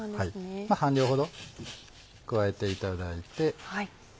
半量ほど加えていただいて。